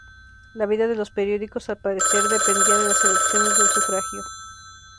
La vida de los periódicos al parecer dependía de las elecciones, del sufragio.